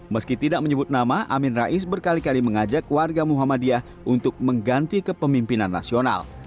meski tidak menyebut nama amin rais berkali kali mengajak warga muhammadiyah untuk mengganti kepemimpinan nasional